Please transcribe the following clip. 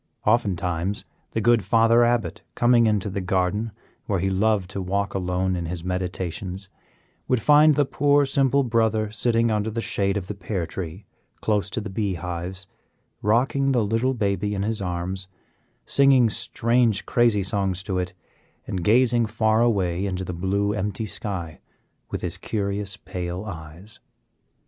Oftentimes the good Father Abbot, coming into the garden, where he loved to walk alone in his meditations, would find the poor, simple Brother sitting under the shade of the pear tree, close to the bee hives, rocking the little baby in his arms, singing strange, crazy songs to it, and gazing far away into the blue, empty sky with his curious, pale eyes.